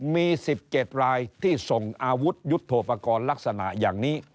มี๑๗รายที่ส่งอาวุธยุทธโปรกรณ์ลักษณะอย่างนี้